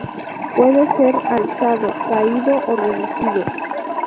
Puede ser alzado, caído o reducido.